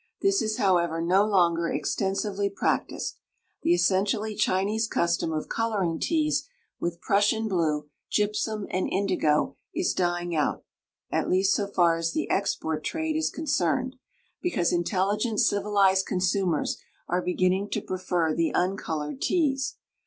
This is, however, no longer extensively practiced. The essentially Chinese custom of coloring teas with Prussian blue, gypsum, and indigo is dying out, at least so far as the export trade is concerned, because intelligent civilized consumers are beginning to prefer the uncolored teas.